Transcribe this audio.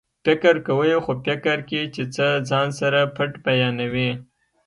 فکر کوئ خو فکر کې چې څه ځان سره پټ بیانوي